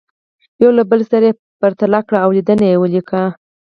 یو له بل سره یې پرتله کړئ او لیدنې ولیکئ.